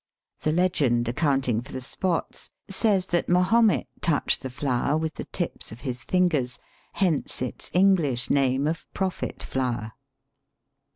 The legend, accounting for the spots, says that Mahomet touched the flower with the tips of his fingers, hence its English name of Prophet flower.